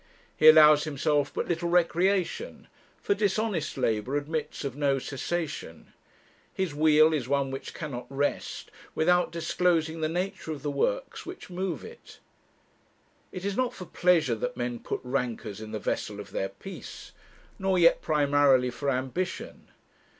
He allows himself but little recreation, for dishonest labour admits of no cessation. His wheel is one which cannot rest without disclosing the nature of the works which move it. It is not for pleasure that men Put rancours in the vessel of their peace; nor yet primarily for ambition.